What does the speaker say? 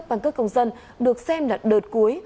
cấp quan cấp công dân được xem là đợt cuối